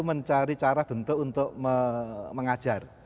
mencari cara bentuk untuk mengajar